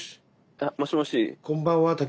あもしもし。